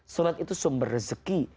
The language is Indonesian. sholat itu sumber rezeki